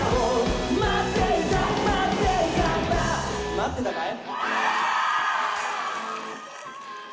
待ってたかい？